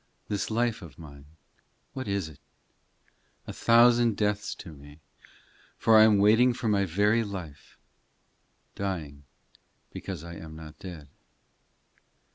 This life of mine, what is it ? A thousand deaths to me ; For I am waiting for my very life, Dying because I am not dead.